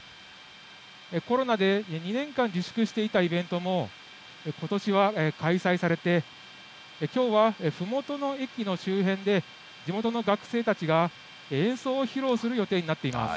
コロナで２年間自粛していたイベントも、ことしは開催されて、きょうはふもとの駅の周辺で、地元の学生たちが演奏を披露する予定になっています。